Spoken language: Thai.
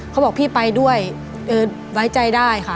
เขาบอกพี่ไปด้วยเออไว้ใจได้ค่ะ